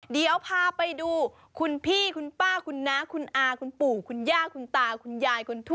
เดี๋ยวพาไปดูคุณพี่คุณป้าคุณน้าคุณอาคุณปู่คุณย่าคุณตาคุณยายคุณทั่ว